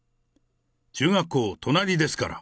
中学校隣ですから。